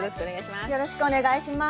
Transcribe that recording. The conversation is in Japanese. よろしくお願いします。